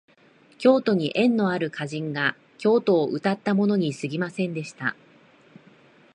京都に縁のある歌人が京都をうたったものにすぎませんでした